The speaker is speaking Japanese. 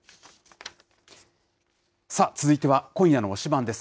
さあ、続いては今夜の推しバン！です。